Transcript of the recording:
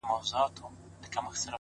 خالونه دي د ستورو له کتاره راوتلي;